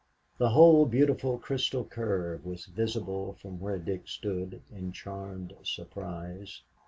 The whole beautiful, crystal curve was visible from where Dick stood in charmed surprise.